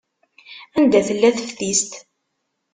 Anda tella teftist?